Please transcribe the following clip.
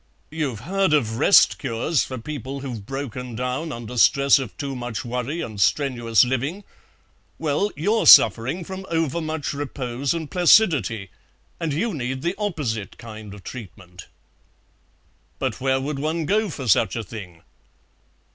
"You've heard of Rest cures for people who've broken down under stress of too much worry and strenuous living; well, you're suffering from overmuch repose and placidity, and you need the opposite kind of treatment." "But where would one go for such a thing?"